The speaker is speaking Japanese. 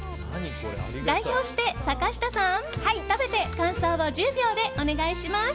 代表して坂下さん、食べて感想を１０秒でお願いします。